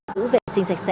giữ vệ sinh sạch sẽ